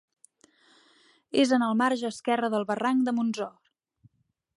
És en el marge esquerre del barranc de Montsor.